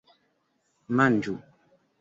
manĝu